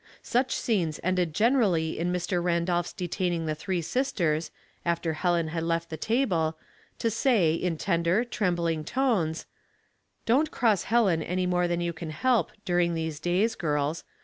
Such scenes ended generally in Mr. Randolph's detaining the three sisters, after Helen had left the table, to say, in tender, trembling tones, — "Don't cross Helen any more than you can help during these days, girls.